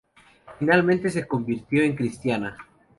Finalmente se convirtió en cristiana.